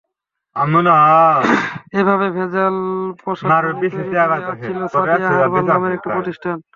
এভাবে ভেজাল প্রসাধনী তৈরি করে আসছিল সাদিয়া হারবাল নামের একটি প্রতিষ্ঠান।